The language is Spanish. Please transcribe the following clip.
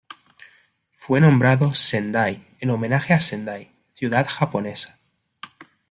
Fue nombrado Sendai en homenaje a Sendai ciudad japonesa.